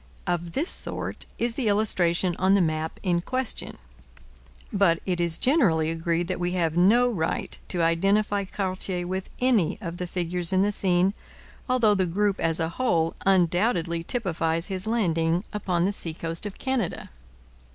Of this sort is the illustration on the map in question. But it is generally agreed that we have no right to identify Cartier with any of the figures in the scene, although the group as a whole undoubtedly typifies his landing upon the seacoast of Canada.